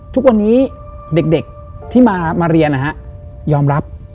ทุกวันนี้เด็กที่มาเรียนยอมรับ